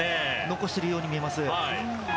残してるように見えます。